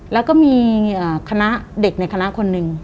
แล้วก็มีคณะเด็กในคณะคนหนึ่ง